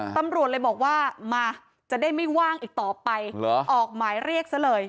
ตำรวจเลยบอกว่ามาจะได้ไม่ว่างอีกต่อไปออกหมายเรียกซะเลย